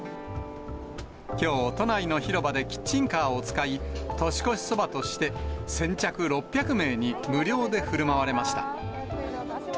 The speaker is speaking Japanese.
きょう、都内の広場でキッチンカーを使い、年越しそばとして、先着６００名に無料でふるまわれました。